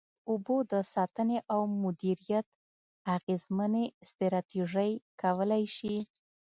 د اوبو د ساتنې او مدیریت اغیزمنې ستراتیژۍ کولای شي.